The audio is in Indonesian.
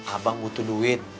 abang butuh duit